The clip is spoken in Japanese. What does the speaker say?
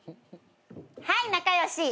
はい仲良し！